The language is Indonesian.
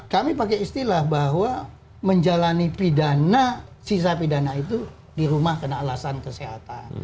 kami pakai istilah bahwa menjalani pidana sisa pidana itu di rumah karena alasan kesehatan